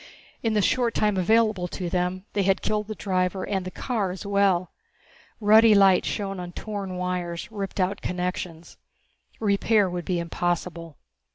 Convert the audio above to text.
In the short time available to them they had killed the driver and the car as well. Ruddy light shone on torn wires, ripped out connections. Repair would be impossible.